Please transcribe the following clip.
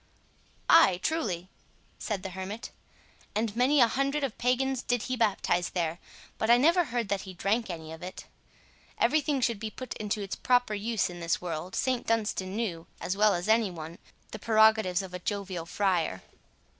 "Ay, truly," said the hermit, "and many a hundred of pagans did he baptize there, but I never heard that he drank any of it. Every thing should be put to its proper use in this world. St Dunstan knew, as well as any one, the prerogatives of a jovial friar."